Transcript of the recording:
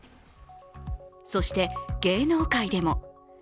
そして、芸能界でも。